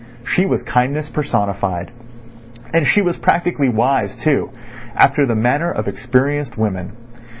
She was kindness personified. And she was practically wise too, after the manner of experienced women.